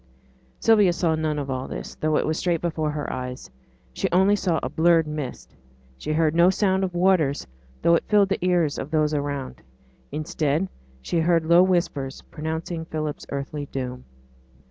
Sylvia saw nothing of all this, though it was straight before her eyes. She only saw a blurred mist; she heard no sound of waters, though it filled the ears of those around. Instead she heard low whispers pronouncing Philip's earthly doom.